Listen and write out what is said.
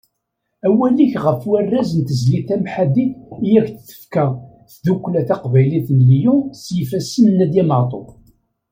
Awal-ik ɣef warraz n tezlit tamḥaddit i ak-d-tefka tddukkla taqbaylit n Lyon s yifassen n Nadiya Meɛtub.